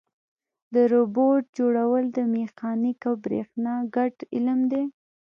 د روبوټ جوړول د میخانیک او برېښنا ګډ علم دی.